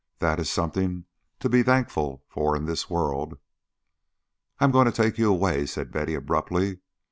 That is something to be thankful for in this world." "I am going to take you away," said Betty, abruptly. "Mr.